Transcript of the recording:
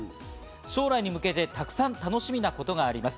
将来に向けて、沢山楽しみなことがあります。